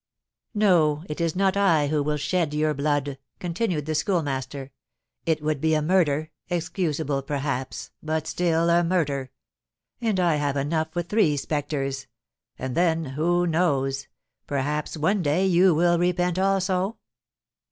"No, it is not I who will shed your blood," continued the Schoolmaster; "it would be a murder, excusable perhaps, but still a murder; and I have enough with three spectres; and then who knows? perhaps one day you will repent also?"